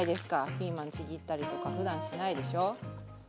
ピーマンちぎったりとかふだんしないでしょ。